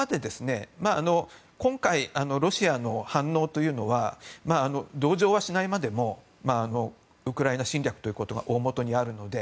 今回ロシアの反応というのは同情はしないまでもウクライナ侵略ということが大本にあるので。